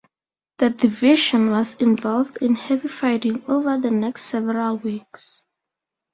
The division was involved in heavy fighting over the next several weeks.